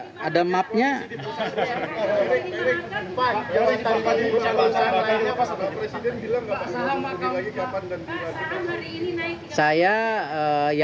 mereka di menko ya mas tapi tersedia ya pak ya